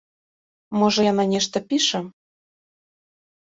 Можа яна нешта піша.